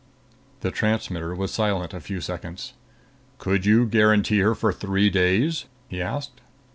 The transmitter was silent a few seconds. "Could you guarantee her for three days?" he asked.